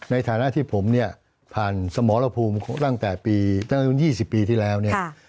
ในฐานะที่ผมผ่านสมรภูมิตั้งแต่ปี๒๐ปีที่แล้ว